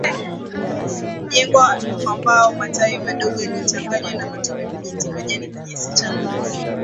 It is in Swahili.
Hujengwa kwa mbao matawi madogo yaliyochanganywa na matope vijiti majani kinyesi cha ngombe